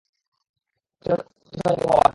ওরা ছিল অতিশয় জালিম ও অবাধ্য।